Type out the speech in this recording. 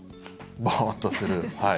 ぼーっとする、はい。